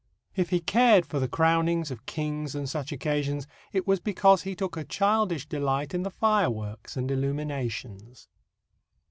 If he cared for the crownings of kings and such occasions, it was because he took a childish delight in the fireworks and illuminations.